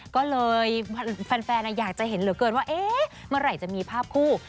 ก็เลยแฟนอยากจะเห็นเหลือเกินว่าเอ๊ะเมื่อไหร่จะมีภาพคู่